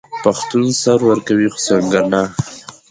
پښتون سر ورکوي خو سنګر نه.